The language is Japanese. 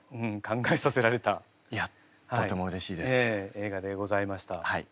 映画でございました。